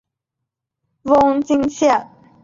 瓮津线